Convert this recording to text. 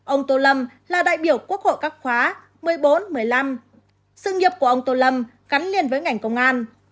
ông tô lâm là đại biểu quốc hội các khóa một mươi bốn một mươi năm sự nghiệp của ông tô lâm gắn liền với ngành công an